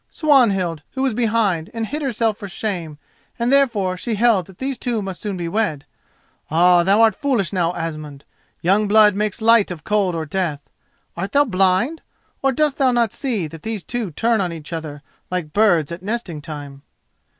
"Swanhild, who was behind, and hid herself for shame, and therefore she held that these two must soon be wed! Ah, thou art foolish now, Asmund. Young blood makes light of cold or death. Art thou blind, or dost thou not see that these two turn on each other like birds at nesting time?"